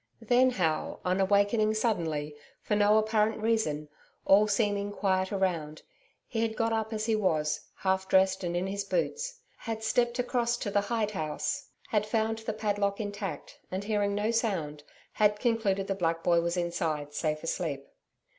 Then, how on awakening suddenly, for no apparent reason, all seeming quiet around, he had got up as he was, half dressed and in his boots had stepped across to the hide house, had found the padlock intact and, hearing no sound, had concluded the black boy was inside safe asleep.